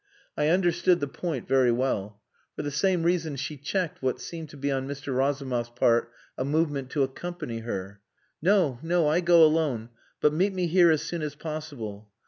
I understood the point very well. For the same reason she checked what seemed to be on Mr. Razumov's part a movement to accompany her. "No! No! I go alone, but meet me here as soon as possible."